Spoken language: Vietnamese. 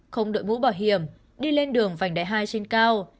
không đội mũ bảo hiểm đi lên đường vành đại hai trên cao